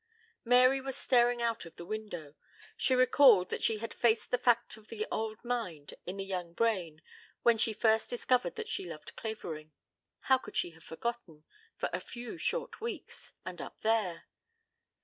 Mary was staring out of the window. She recalled that she had faced the fact of the old mind in the young brain when she first discovered that she loved Clavering. How could she have forgotten ... for a few short weeks and up there?